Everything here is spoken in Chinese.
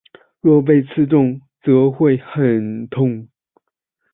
若被刺中则会很痛。